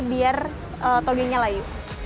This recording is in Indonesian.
biar tauge nya layu